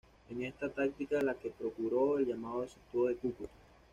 Es esta táctica la que procuró el llamado sitio de Cúcuta.